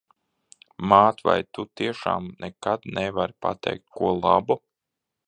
Māt, vai tu tiešām nekad nevari pateikt ko labu?